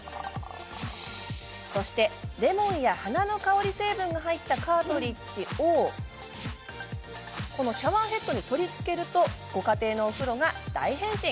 そして、レモンや花の香り成分が入ったカートリッジをシャワーヘッドに取り付けるとご家庭のお風呂が大変身。